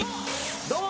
どうも。